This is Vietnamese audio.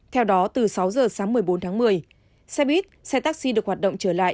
theo đó từ sáu giờ sáng một mươi bốn tháng một mươi xe buýt xe taxi được hoạt động trở lại